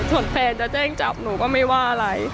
ส่วนแฟนจะแจ้งจับหนูก็ไม่ว่าอะไร